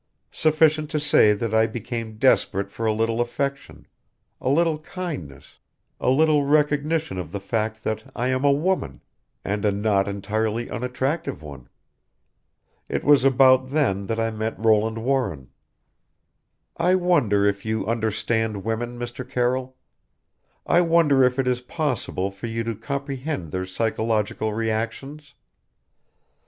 Sufficient to say that I became desperate for a little affection, a little kindness, a little recognition of the fact that I am a woman and a not entirely unattractive one. It was about then that I met Roland Warren. "I wonder if you understand women, Mr. Carroll? I wonder if it is possible for you to comprehend their psychological reactions?